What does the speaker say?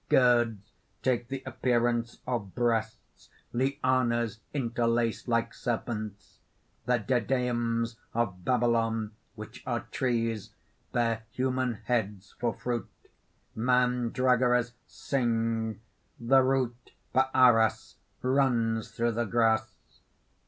Gourds take the appearance of breasts; lianas interlace like serpents._ _The Dedaims of Babylon, which are trees, bear human heads for fruit; Mandragoras sing; the root Baaras runs through the grass.